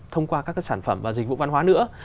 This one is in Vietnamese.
thông qua các sản phẩm và dịch vụ văn hóa nữa